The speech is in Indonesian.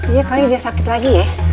iya kali dia sakit lagi ya